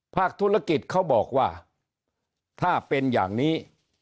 ภาคธุรกิจเขาบอกว่าถ้าเป็นอย่างนี้